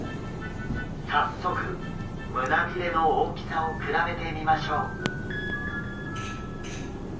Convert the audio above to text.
早速胸びれの大きさを比べてみましょう。